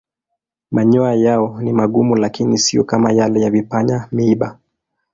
Manyoya yao ni magumu lakini siyo kama yale ya vipanya-miiba.